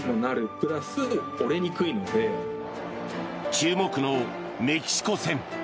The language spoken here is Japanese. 注目のメキシコ戦。